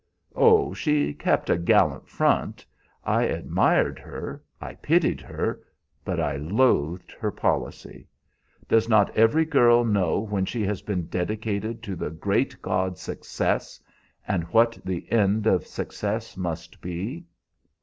Oh, she kept a gallant front! I admired her, I pitied her, but I loathed her policy. Does not every girl know when she has been dedicated to the great god Success, and what the end of success must be?